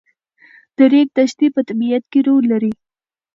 د ریګ دښتې په طبیعت کې رول لري.